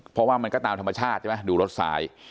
เพราะว่ามันก็ตามธรรมชาติใช่ไหมดูรถซ้าย